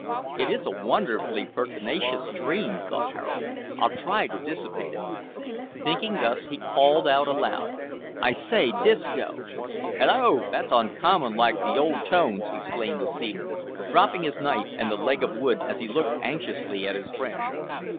"It is a wonderfully pertinacious dream," thought Harold. "I'll try to dissipate it." Thinking thus, he called out aloud, "I say, Disco!" "Hallo! that's uncommon like the old tones," exclaimed the seaman, dropping his knife and the leg of wood as he looked anxiously at his friend.